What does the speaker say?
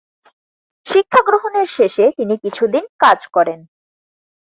শিক্ষা গ্রহণের শেষে তিনি কিছুদিন কাজ করেন।